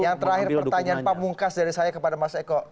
yang terakhir pertanyaan pak mungkas dari saya kepada mas eko